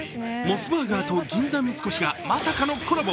モスバーガーと銀座三越がまさかのコラボ。